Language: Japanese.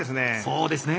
そうですね。